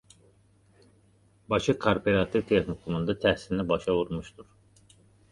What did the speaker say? Bakı Kooperativ Texnikumunda təhsilini başa vurmuşdur.